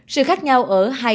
sự khác nhau ở hai khách hàng